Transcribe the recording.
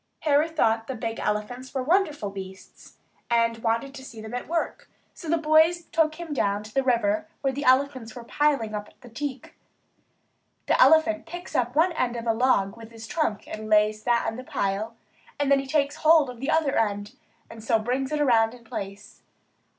Harry thought the big elephants were wonderful beasts, and wanted to see them at work; so the boys took him down to the river where the elephants were piling up the teak. An elephant picks up one end of a log with his trunk and lays that on the pile; then he takes hold of the other end and so brings it around in place.